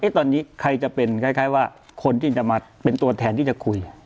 ตอนนี้ใครจะเป็นคล้ายว่าคนที่จะมาเป็นตัวแทนที่จะคุย